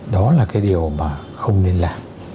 đó là cái điều mà không nên làm